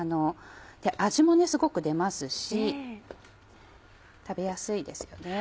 味もすごく出ますし食べやすいですよね。